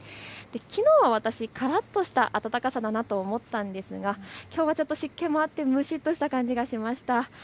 きのうは私、からっとした暖かさだなと思ったんですがきょうはちょっと湿気もあって蒸しっとした感じもしました。